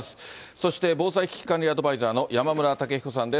そして防災危機管理アドバイザーの山村武彦さんです。